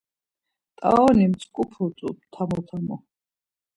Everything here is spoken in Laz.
T̆aroni mtzǩuput̆u tamo tamo.